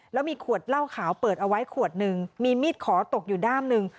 แล้วมีขวดเหล้าขาวเปิดเอาไว้ขวดหนึ่งมีมีดขอตกอยู่ด้ามหนึ่ง